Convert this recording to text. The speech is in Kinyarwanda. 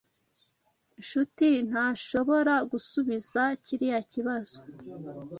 Nshuti ntashobora gusubiza kiriya kibazo.